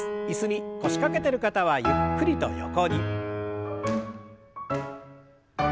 椅子に腰掛けてる方はゆっくりと横に。